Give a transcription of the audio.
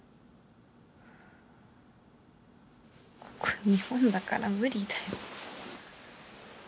ここ日本だから無理だよ。